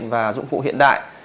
và dụng vụ hiện đại